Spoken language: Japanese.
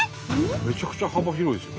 めちゃくちゃ幅広いですよ。